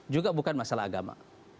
juga bukan masalah agama